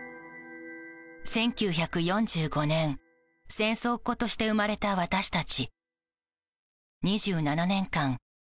１９４５年、戦争っ子として生まれた私たち。